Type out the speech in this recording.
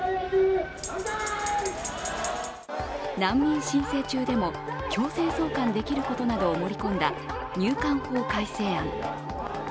難民申請中でも強制送還できることなどを盛り込んだ入管法改正案。